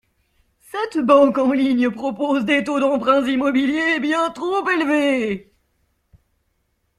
Cette banque en ligne propose des taux d’emprunt immobilier bien trop élevés.